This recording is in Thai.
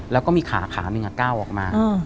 แล้วก็มีขาขาหนึ่งก้าวออกมา